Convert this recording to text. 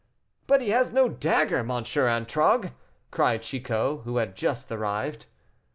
"But he has no dagger, M. Antragues," cried Chicot, who had just arrived.